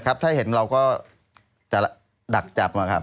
ครับถ้าเห็นเราก็ดักจับมาครับ